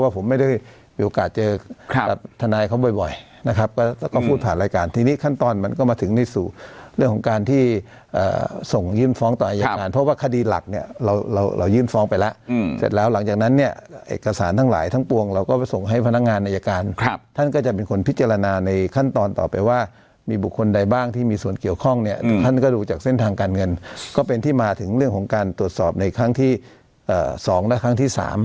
เพราะว่าคดีหลักเนี่ยเรายื่นฟ้องไปแล้วอืมเสร็จแล้วหลังจากนั้นเนี่ยเอกสารทั้งหลายทั้งปวงเราก็ไปส่งให้พนักงานนัยการครับท่านก็จะเป็นคนพิจารณาในขั้นตอนต่อไปว่ามีบุคคลใดบ้างที่มีส่วนเกี่ยวข้องเนี่ยอืมท่านก็ดูจากเส้นทางการเงินก็เป็นที่มาถึงเรื่องของการตรวจสอบในครั้งที่เอ่อสองและครั้งที่ส